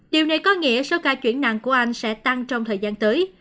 điều này có nghĩa số ca chuyển nặng của anh sẽ tăng trong thời gian tới